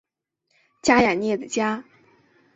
加雅涅的家。